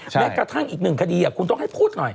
แม้กระทั่งอีกหนึ่งคดีคุณต้องให้พูดหน่อย